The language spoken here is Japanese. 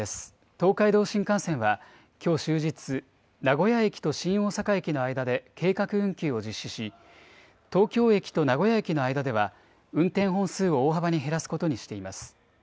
東海道新幹線はきょう終日、名古屋駅と新大阪駅の間で計画運休を実施し、東京駅と名古屋駅の間では、運転本数を大幅に減らすことにしています。